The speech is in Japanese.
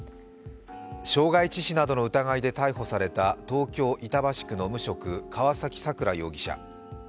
傷害致死などの疑いで逮捕された東京・板橋区の無職、川崎さくら容疑者。